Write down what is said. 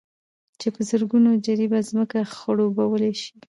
چې په زرگونو جرېبه ځمكه خړوبولى شي،